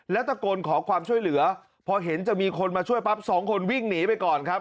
แล้วตะโกนขอความช่วยเหลือพอเห็นจะมีคนมาช่วยปั๊บสองคนวิ่งหนีไปก่อนครับ